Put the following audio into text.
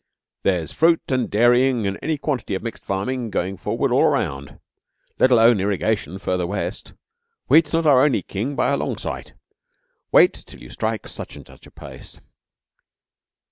'There's fruit and dairying and any quantity of mixed farming going forward all around let alone irrigation further West. Wheat's not our only king by a long sight. Wait till you strike such and such a place.'